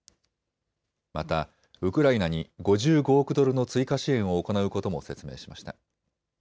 またウクライナに５５億ドルの追加支援を行うことも説明しました。